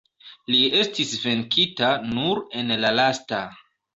Li estis venkita nur en la lasta.